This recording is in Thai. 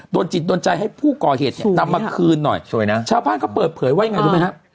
โดนจิตโดนใจให้ผู้ก่อเหตุนำมาคืนน่ะชาวบ้านก็เปิดเผยไว้ไงรู้ไหมครับ